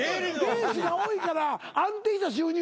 レースが多いから安定した収入やねんな。